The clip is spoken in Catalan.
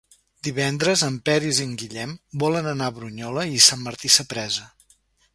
Divendres en Peris i en Guillem volen anar a Brunyola i Sant Martí Sapresa.